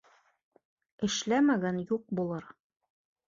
Эшләмәгән юҡ булыр.